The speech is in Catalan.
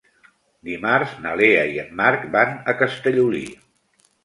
Dimarts na Lea i en Marc van a Castellolí.